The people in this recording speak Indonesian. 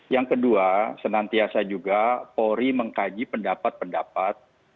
yang kedua senantiasa juga polri mengkaji pendapat pendapat